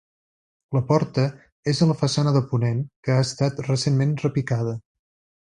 La porta és a la façana de ponent, que ha estat recentment repicada.